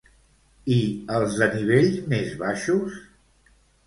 I els de nivells més baixos?